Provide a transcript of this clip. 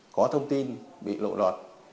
có thông tin bị lộ lọt